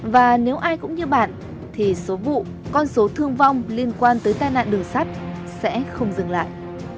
và nếu ai cũng như bạn thì số vụ con số thương vong liên quan tới tai nạn đường sắt sẽ không dừng lại